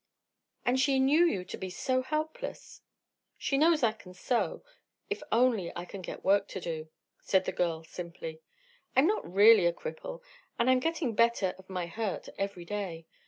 "And she knew you to be so helpless!" "She knows I can sew, if only I can get work to do," said the girl, simply. "I'm not really a cripple, and I'm getting better of my hurt every day.